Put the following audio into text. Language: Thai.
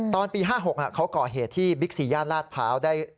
ตอนปี๕๖เขาก่อเหตุที่บิ๊กซีย่านลาดพร้าว